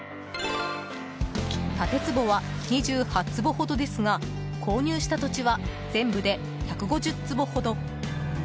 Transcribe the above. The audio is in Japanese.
建坪は２８坪ほどですが購入した土地は全部で１５０坪ほど。